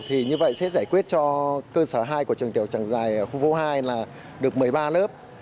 thì như vậy sẽ giải quyết cho cơ sở hai của trường tiểu trang dài ở khu phố hai là được một mươi ba lớp